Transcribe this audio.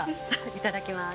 いただきます。